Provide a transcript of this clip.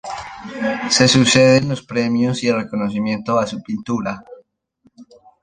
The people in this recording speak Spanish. Se suceden los premios y el reconocimiento a su pintura.